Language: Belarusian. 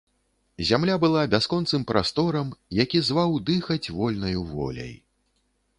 Зямля была бясконцым прасторам, які зваў дыхаць вольнаю воляй.